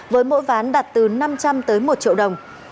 với mỗi ván đạt từ năm trăm linh tới một triệu đồng